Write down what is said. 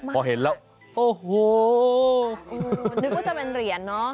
พอเห็นแล้วโอ้โหนึกว่าจะเป็นเหรียญเนอะ